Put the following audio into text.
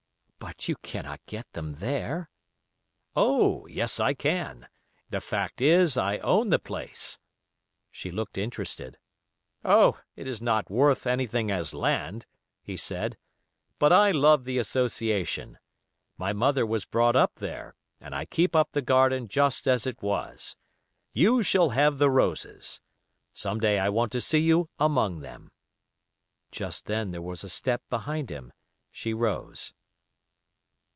"But you cannot get them there." "Oh! yes, I can; the fact is, I own the place." She looked interested. "Oh! it is not worth anything as land," he said, "but I love the association. My mother was brought up there, and I keep up the garden just as it was. You shall have the roses. Some day I want to see you among them." Just then there was a step behind him. She rose.